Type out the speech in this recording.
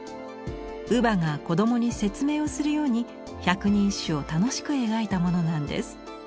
乳母が子供に説明をするように「百人一首」を楽しく描いたものなんです。